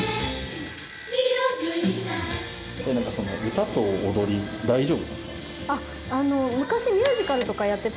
歌と踊り大丈夫なんですか？